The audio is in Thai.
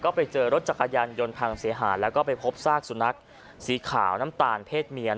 ไปเจอรถจักรยานยนต์พังเสียหายแล้วก็ไปพบซากสุนัขสีขาวน้ำตาลเพศเมียน